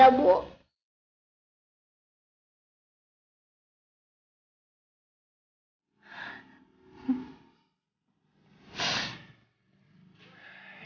kamu akan dibawa ke rumah ya